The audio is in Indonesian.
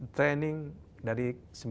training dari sembilan belas empat ratus